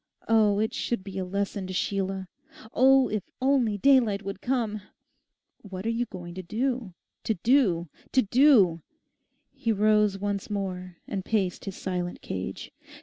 Oh, it should be a lesson to Sheila! Oh, if only daylight would come! 'What are you going to do—to do—to DO?' He rose once more and paced his silent cage.